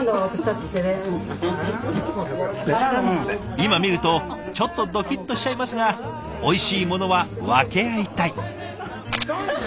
今見るとちょっとドキッとしちゃいますがおいしいものは分け合いたい。